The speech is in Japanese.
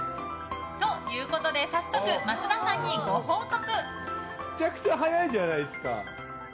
ということで早速、松田さんにご報告。